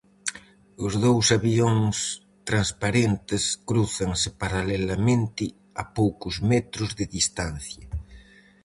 Os dous avións, transparentes, crúzanse paralelamente a poucos metros de distancia.